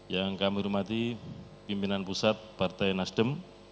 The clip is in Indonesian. yang kami hormati pimpinan pusat partai nasdem